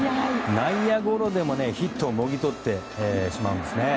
内野ゴロでもヒットをもぎ取ってしまうんですね。